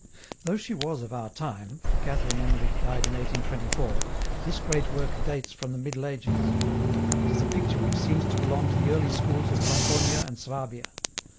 Though she was of our time, for Catherine Emmerich died in 1824, this great work dates from the Middle Ages. It is a picture which seems to belong to the early schools of Franconia and Swabia.